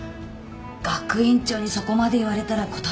学院長にそこまで言われたら断れないか。